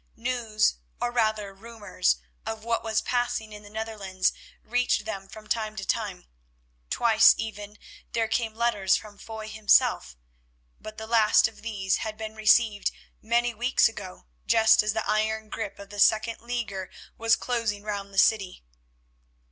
News, or rather rumours, of what was passing in the Netherlands reached them from time to time; twice even there came letters from Foy himself, but the last of these had been received many weeks ago just as the iron grip of the second leaguer was closing round the city.